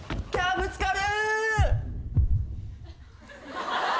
ぶつかる！